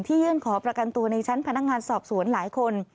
ยื่นขอประกันตัวในชั้นพนักงานสอบสวนหลายคน